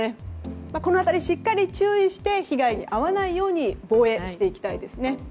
この辺りしっかりと注意して被害に遭わないように防衛していきたいですね。